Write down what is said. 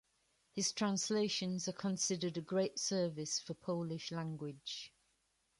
His translations are considered a "great service" for Polish language.